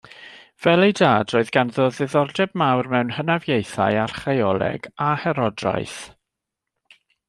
Fel ei dad, roedd ganddo ddiddordeb mawr mewn hynafiaethau, archaeoleg a herodraeth.